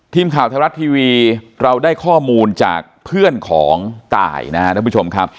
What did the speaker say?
ทีมข่าวไทยรัฐทีวีเราได้ข้อมูลจากเพื่อนของตายนะครับท่านผู้ชมครับ